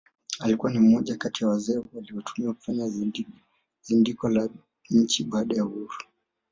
Alikuwa ni mmoja kati ya wazee waliotumwa kufanya zindiko la nchi baada ya uhuru